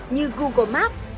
như google maps